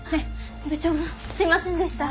部長もすいませんでした。